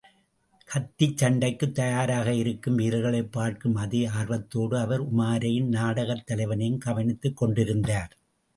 கத்திச் சண்டைக்குத் தயாராக இருக்கும் வீரர்களைப் பார்க்கும் அதே ஆர்வத்தோடு, அவர் உமாரையும், நாடகத் தலைவனையும் கவனித்துக் கொண்டிருந்தார்.